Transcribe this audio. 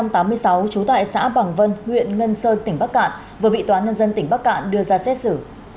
trú tại xã bằng vân huyện ngân sơn tỉnh bắc cạn vừa bị tòa nhân dân tỉnh bắc cạn đưa ra xét xử